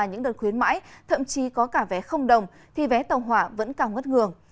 những đợt khuyến mãi thậm chí có cả vé không đồng thì vé tàu hỏa vẫn càng ngất ngường